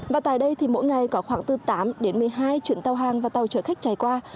và tại đây thì mỗi ngày có khoảng từ tám đến một mươi hai chuyến tàu hàng và tàu chở khách chạy qua